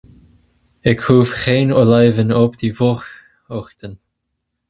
Ik hoef geen olijven op de vroege ochtend.